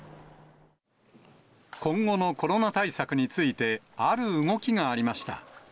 今後のコロナ対策について、ある動きがありました。